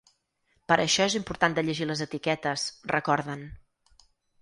Per això és important de llegir les etiquetes, recorden.